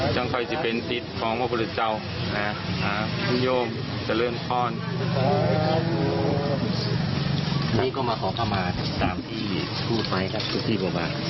จำคอยจะเป็นฤทธิของบทพุทธเจ้าพรุ่งโยมสลื่อนข้อน